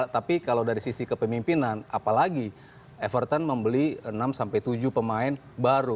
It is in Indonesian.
tapi kalau dari sisi kepemimpinan apalagi everton membeli enam sampai tujuh pemain baru